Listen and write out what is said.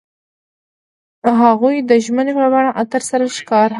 هغوی د ژمنې په بڼه عطر سره ښکاره هم کړه.